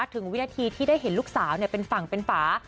วินาทีที่ได้เห็นลูกสาวเป็นฝั่งเป็นฝา